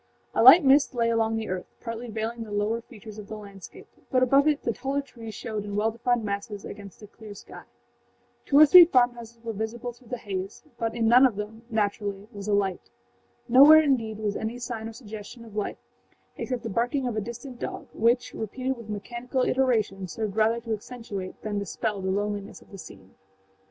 A light mist lay along the earth, partly veiling the lower features of the landscape, but above it the taller trees showed in well defined masses against a clear sky. Two or three farmhouses were visible through the haze, but in none of them, naturally, was a light. Nowhere, indeed, was any sign or suggestion of life except the barking of a distant dog, which, repeated with mechanical iteration, served rather to accentuate than dispel the loneliness of the scene.